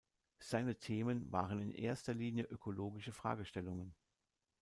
Seine Themen waren in erster Linie ökologische Fragestellungen.